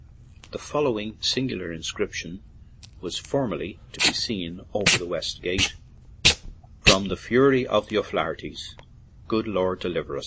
The following singular inscription was formerly to be seen over the west gate: " From the fury of the 0' Flaherties Good Lord deliver us."